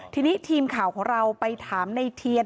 ทีนี้ทีมข่าวของเราไปถามในเทียน